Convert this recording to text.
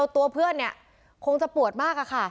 ตัวเพื่อนคงจะปวดมากค่ะ